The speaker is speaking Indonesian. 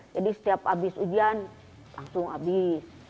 jadi setiap habis ujian langsung habis